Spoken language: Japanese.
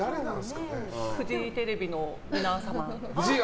フジテレビの皆様。